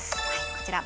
こちら。